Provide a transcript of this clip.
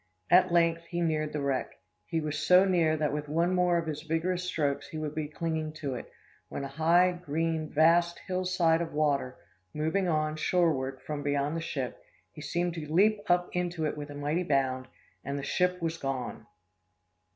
At length, he neared the wreck. He was so near that with one more of his vigorous strokes he would be clinging to it when a high, green, vast hill side of water, moving on, shoreward, from beyond the ship, he seemed to leap up into it with a mighty bound, and the ship was gone!